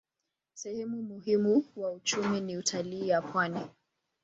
Sehemu muhimu wa uchumi ni utalii ya pwani.